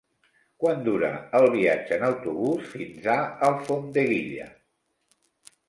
Quant dura el viatge en autobús fins a Alfondeguilla?